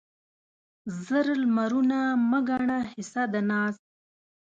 زر لمرونه مه ګڼه حصه د ناز